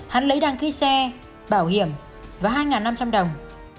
hắn lấy đăng ký xe bảo hiểm và hai năm trăm linh đồng